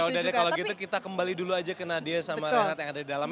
udah deh kalau gitu kita kembali dulu aja ke nadia sama renat yang ada di dalam